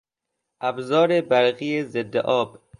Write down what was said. ابزار برقی ضد آب